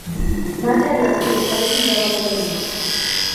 მატერია მთელი თავისი მრავალფეროვნებით.